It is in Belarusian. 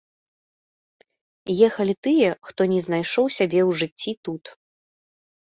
Ехалі тыя, хто не знайшоў сябе ў жыцці тут.